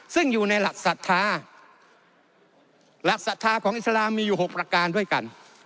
ซึ่งอยู่ในหลักศรัทธาและศรัทธาของอิสลามมีอยู่๖ประการด้วยกัน